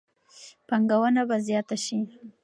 پانګونه به زیاته شي.